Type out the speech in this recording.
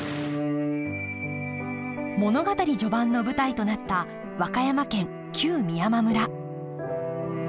物語序盤の舞台となった和歌山県旧美山村。